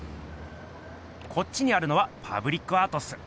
こっちにあるのはパブリックアートっす。